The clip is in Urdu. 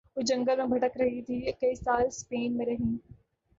وہ جنگل میں بھٹک رہی تھی کئی سال سپین میں رہیں